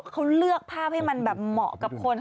เค้าเลือกภาพให้เหมาะกับคน